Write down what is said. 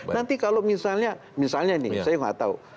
nanti kalau misalnya misalnya ini saya nggak tahu